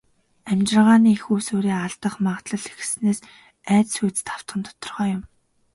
Амьжиргааны эх үүсвэрээ алдах магадлал ихэссэнээс айдас хүйдэст автах нь тодорхой юм.